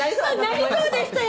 「なりそうでしたよ」